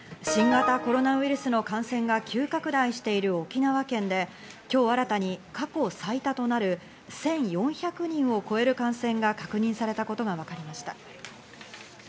新型コロナウイルスの感染が急拡大している沖縄県で今日新たに過去最多となる１４００人を超える感染が確認されたことがわかりました。